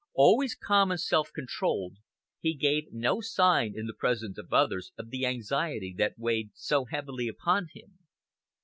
Always calm and self controlled, he gave no sign in the presence of others of the anxiety that weighed so heavily upon him.